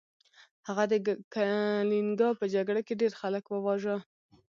هغه د کلینګا په جګړه کې ډیر خلک وواژه.